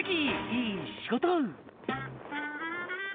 いい仕事」